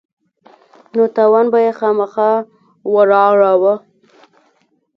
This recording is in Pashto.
نو تاوان به يې خامخا وراړاوه.